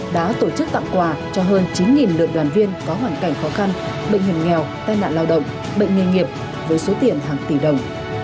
đã tổ chức tặng quà cho hơn chín lượt đoàn viên có hoàn cảnh khó khăn bệnh hiểm nghèo tai nạn lao động bệnh nghề nghiệp với số tiền hàng tỷ đồng